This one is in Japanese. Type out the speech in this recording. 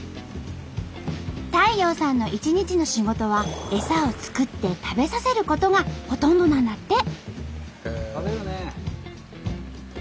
太陽さんの一日の仕事はエサを作って食べさせることがほとんどなんだって。